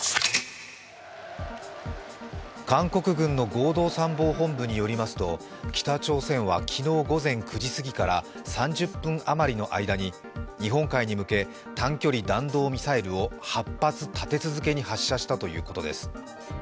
韓国軍の合同参謀本部によりますと、北朝鮮は昨日午前９時過ぎから３０分あまりの間に日本海に向け短距離弾道ミサイルを８発、立て続けに発射したということです。